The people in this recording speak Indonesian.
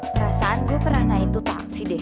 perasaan gue pernah naik tuh taksi deh